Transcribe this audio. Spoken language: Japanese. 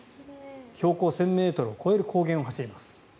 標高１０００ｍを超える高原を走ります。